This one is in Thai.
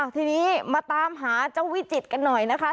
ทีนี้มาตามหาเจ้าวิจิตรกันหน่อยนะคะ